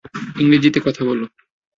ইংরেজিতে কথা বলো।